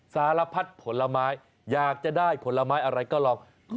สารพัดผลไม้อยากจะได้ผลไม้อะไรก็ลอง